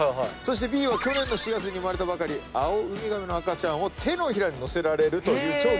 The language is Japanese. Ｂは去年の４月に生まれたばかりアオウミガメの赤ちゃんを手のひらに乗せられるという超貴重体験でございます。